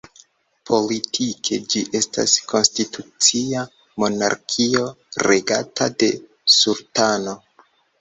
Politike ĝi estas konstitucia monarkio regata de sultano.